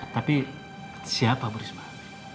tapi siapa bu rizman